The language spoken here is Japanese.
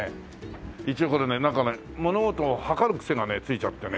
一応これねなんかね物事を測るクセがねついちゃってね。